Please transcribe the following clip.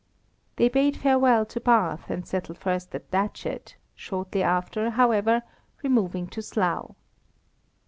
They bade farewell to Bath, and settled first at Datchet, shortly after, however, removing to Slough.